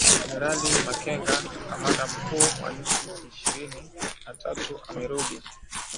Jenerali Makenga, kamanda mkuu wa Machi ishirini na tatu amerudi